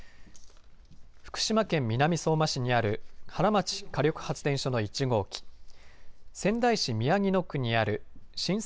福島県南相馬市にある火力発電所の１号機仙台市宮城野区にある新